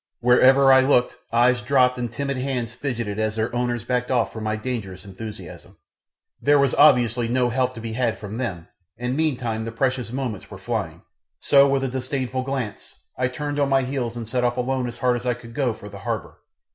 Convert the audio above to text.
Wherever I looked eyes dropped and timid hands fidgeted as their owners backed off from my dangerous enthusiasm. There was obviously no help to be had from them, and meantime the precious moments were flying, so with a disdainful glance I turned on my heels and set off alone as hard as I could go for the harbour.